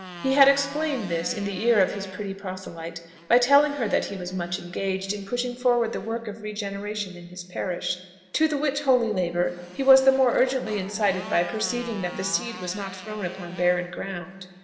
He had explained this in the ear of his pretty proselyte, by telling her that he was much engaged in pushing forward the work of regeneration in his parish, to the which holy labour he was the more urgently incited by perceiving that the seed was not thrown upon barren ground.